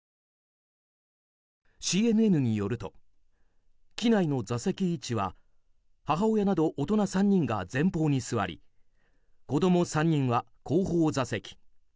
ＣＮＮによると機内の座席位置は母親など大人３人が前方に座り子供３人は後方座席。